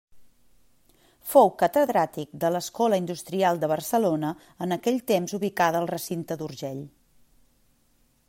Fou catedràtic de l'Escola Industrial de Barcelona en aquell temps ubicada al recinte d'Urgell.